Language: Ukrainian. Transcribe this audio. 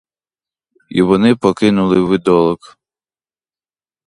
І вони покинули видолок.